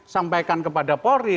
sampaikan kepada polri